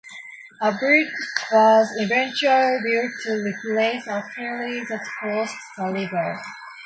A bridge was eventually built to replace a ferry that crossed the river.